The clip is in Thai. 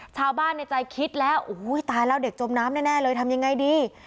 ชาวบ้านในใจคิดแล้วโอ้โหตายแล้วเด็กจมน้ำแน่เลยทำยังไงดี